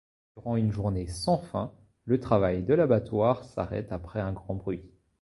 Durant une journée sans fin, le travail de l'abattoir s'arrête après un grand bruit.